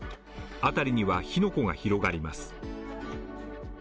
辺りには火の粉が広がります。